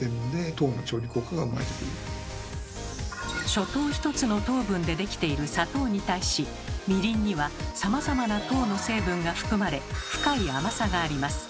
ショ糖ひとつの糖分でできている砂糖に対しみりんにはさまざまな糖の成分が含まれ深い甘さがあります。